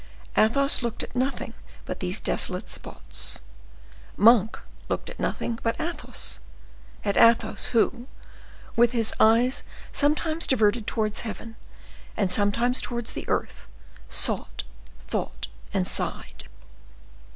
Athos looked at nothing but these desolate spots; Monk looked at nothing but Athos—at Athos, who, with his eyes sometimes directed towards heaven, and sometimes towards the earth, sought, thought, and sighed.